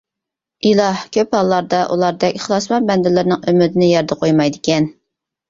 ئىلاھ كۆپ ھاللاردا ئۇلاردەك ئىخلاسمەن بەندىلىرىنىڭ ئۈمىدىنى يەردە قويمايدىكەن.